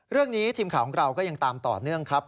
เรื่องนี้ทีมข่าวของเราก็ยังตามต่อเนื่องครับ